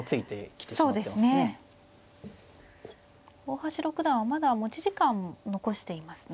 大橋六段はまだ持ち時間残していますね。